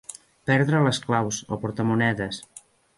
Perdre les claus, el portamonedes.